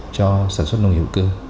cho sản xuất nông nghiệp hữu cơ